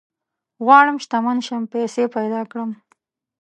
غواړم شتمن شم ، پيسي پيدا کړم